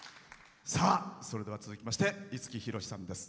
それでは続きまして五木ひろしさんです。